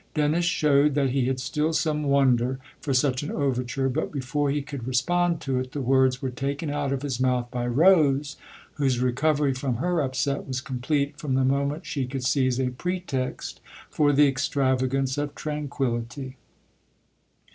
Dennis showed that he had still some wonder for such an overture, but before he could respond to it the words were taken out of his mouth by Rose, whose recovery from her upset was complete from the moment she could seize a pretext for the extravagance of tran quillity.